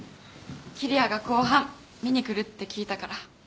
桐矢が公判見に来るって聞いたから。